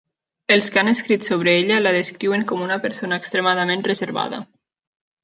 Els que han escrit sobre ella la descriuen com una persona extremadament reservada.